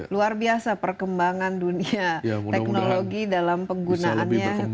luar biasa perkembangan dunia teknologi dalam penggunaannya